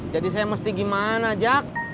jadi saya mesti gimana jak